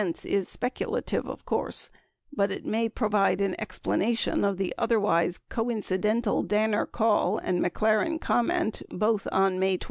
995 is speculative, of course, but it may provide an explanation of the otherwise coincidental Danner call and McLaren comment, both on May 21.